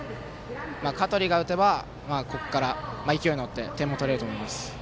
香取が打てば、ここから勢いに乗って点も取れると思います。